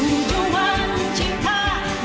tunjuan cinta dan harapan